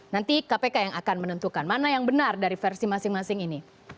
nanti kpk yang akan menentukan mana yang benar dari versi masing masing ini